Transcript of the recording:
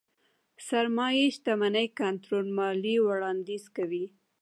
سرمايې شتمنۍ کنټرول ماليې وړانديز کوي.